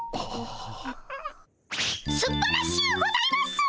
すばらしゅうございます！